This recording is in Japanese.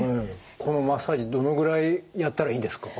このマッサージどのぐらいやったらいいんですか？